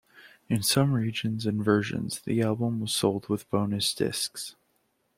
In some regions and versions, the album was sold with bonus discs.